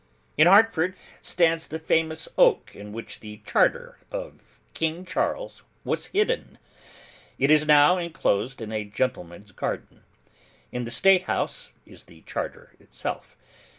In Hartford stands the famous oak in which the charter of King Charles was hidden. It is now inclosed in a gentleman's garden. In the State House is the charter itself.